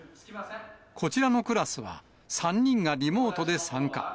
こちらのクラスは、３人がリモートで参加。